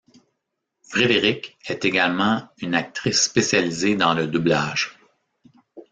Frédérique est également une actrice spécialisée dans le doublage.